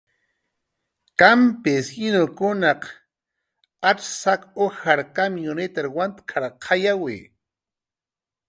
"Kampisinuq may saq ujar kamyunitar wantk""arqayki"